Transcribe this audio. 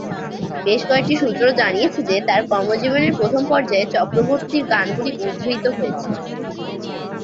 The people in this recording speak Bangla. বেশ কয়েকটি সূত্র জানিয়েছে যে, তার কর্মজীবনের প্রথম পর্যায়ে চক্রবর্তীর গানগুলি উদ্ধৃত হয়েছে।